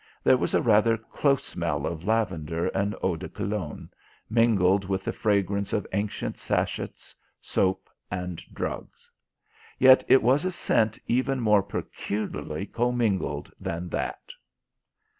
There was a rather close smell of lavender and eau de Cologne, mingled with the fragrance of ancient sachets, soap, and drugs. Yet it was a scent even more peculiarly commingled than that.